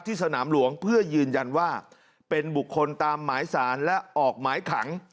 สนามหลวงเพื่อยืนยันว่าเป็นบุคคลตามหมายสารและออกหมายขัง